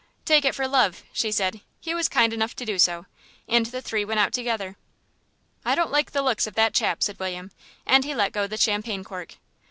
"Take it for love," she said. He was kind enough to do so, and the three went out together. "I don't like the looks of that chap," said William, and he let go the champagne cork.